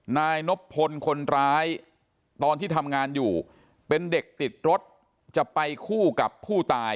นายนบพลคนร้ายตอนที่ทำงานอยู่เป็นเด็กติดรถจะไปคู่กับผู้ตาย